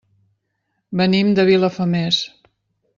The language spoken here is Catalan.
Venim de Vilafamés.